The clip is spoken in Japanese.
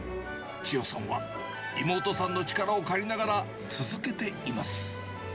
千代さんは妹さんの力を借りながら、続けています。